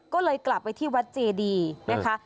ก็เลยกลับไปที่วัดเจดีนะคะ